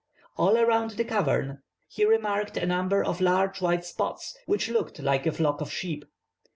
All around this cavern he remarked a number of large white spots, which looked like a flock of sheep.